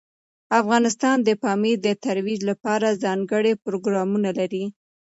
افغانستان د پامیر د ترویج لپاره ځانګړي پروګرامونه لري.